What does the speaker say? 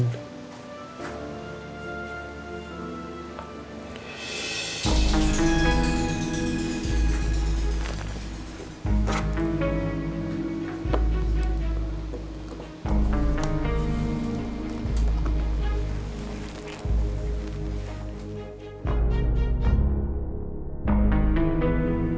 telah menyalavat terhadap bapak